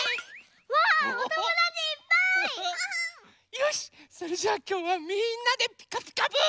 よしそれじゃあきょうはみんなで「ピカピカブ！」。